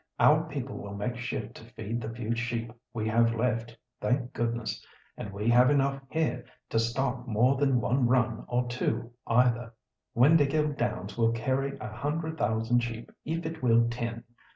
Our people will make shift to feed the few sheep we have left, thank goodness! And we have enough here to stock more than one run or two either. Windāhgil Downs will carry a hundred thousand sheep if it will ten.